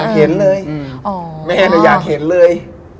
คุณแม่อยากเห็นเลย